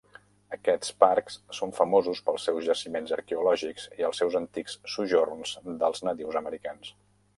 Aquests parcs són famosos pels seus jaciments arqueològics i els seus antics sojorns dels nadius americans.